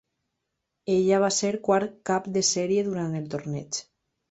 Ella va ser quart cap de sèrie durant el torneig.